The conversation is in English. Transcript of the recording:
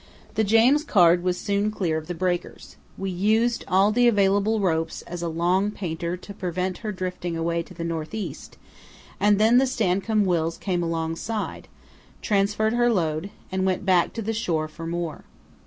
The James Caird was soon clear of the breakers. We used all the available ropes as a long painter to prevent her drifting away to the north east, and then the Stancomb Wills came alongside, transferred her load, and went back to the shore for more.